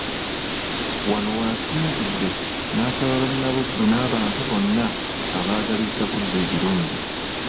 Wano w'asinzidde n'asaba Bannabuddu n'abantu bonna abaagaliza Buddu ebirungi.